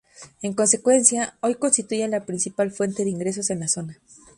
En consecuencia, hoy constituye la principal fuente de ingresos en la zona.